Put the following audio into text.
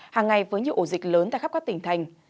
hàng ngày với nhiều ổ dịch lớn tại khắp các tỉnh thành